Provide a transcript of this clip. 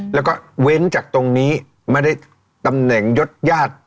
แล้วก็เว้นจากตรงนี้ไม่ได้ตำแหน่งยศญาติ